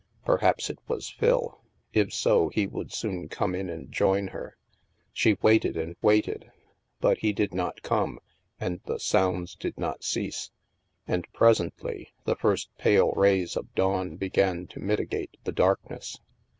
Perhaps it was Phil; if so, he would soon come in and join her. She waited and waited, but he did not come, and the sounds did not cease. And pres ently, the first pale rays of dawn began to mitigate the darkness.